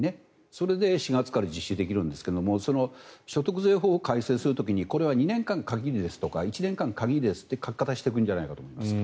それで４月から実施できるんですが所得税法を改正する時にこれは２年限りですとか１年間限りですという書き方をしていくんじゃないかと思います。